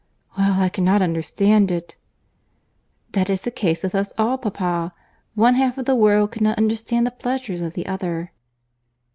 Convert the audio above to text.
"Well, I cannot understand it." "That is the case with us all, papa. One half of the world cannot understand the pleasures of the other."